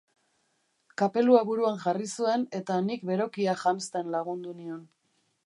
Kapelua buruan jarri zuen eta nik berokia janzten lagundu nion.